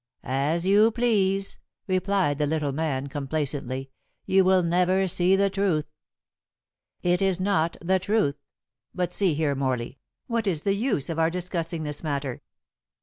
"As you please," replied the little man complacently; "you will never see the truth." "It is not the truth. But see here, Morley, what is the use of our discussing this matter?